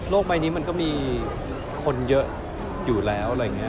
โลกใบนี้มันก็มีคนเยอะอยู่แล้ว